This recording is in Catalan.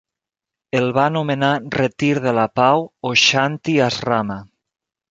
El va anomenar "retir de la pau" o "shanti asrama".